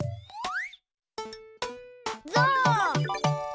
ゾウ！